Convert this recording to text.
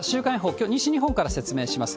きょう、西日本から説明します。